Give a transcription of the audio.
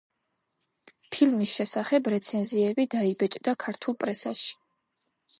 ფილმის შესახებ რეცენზიები დაიბეჭდა ქართულ პრესაში.